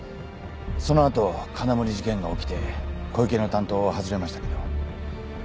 その後金森事件が起きて小池の担当を外れましたけど。